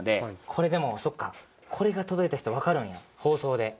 これでもそっかこれが届いた人分かるんや放送で。